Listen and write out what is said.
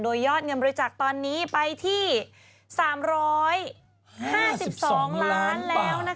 โดยยอดเงินบริจาคตอนนี้ไปที่๓๕๒ล้านแล้ว